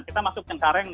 kita masuk dengan kareng